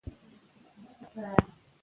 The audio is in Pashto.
بادي انرژي د افغانستان د طبیعت برخه ده.